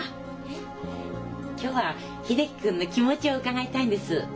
えっ？今日は秀樹君の気持ちを伺いたいんです。